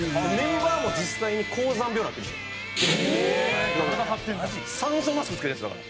メンバーも実際に高山病になってるんですよ。